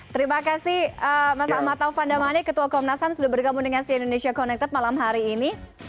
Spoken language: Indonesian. terima kasih mas amatau fandamani ketua komnas ham sudah bergabung dengan cin indonesia connected malam hari ini